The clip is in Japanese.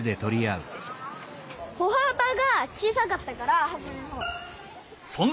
歩はばが小さかったからはじめのほう。